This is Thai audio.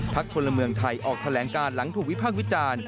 พักคนละเมืองไทยออกแถลงการหลังถูกวิภาควิจารณ์